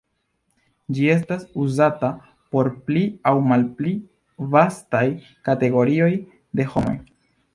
Ĝi estas uzata por pli aŭ malpli vastaj kategorioj de homoj.